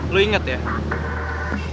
lo inget ya